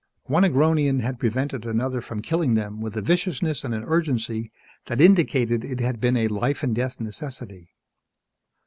One Agronian had prevented another from killing them with a viciousness and an urgency that indicated it had been a life and death necessity.